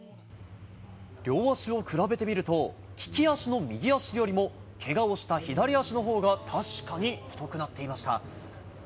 両足を比べてみると、利き足の右足よりも、けがをした左足のほうが確かに太くなっていました。